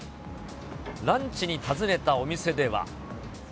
ランチに訪ねたお店では。